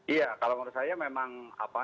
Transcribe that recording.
iya kalau menurut saya memang apa